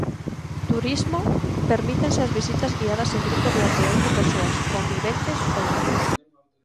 Turismo Permítense as visitas guiadas en grupos de até oito persoas, conviventes ou non.